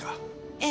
ええ。